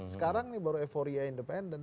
sekarang ini baru euforia independen